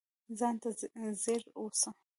ځان ته ځیر اوسه